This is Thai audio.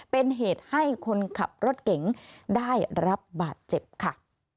เป็นเหตุให้คนขับรถเก๋งได้รับบาดเจ็บค่ะ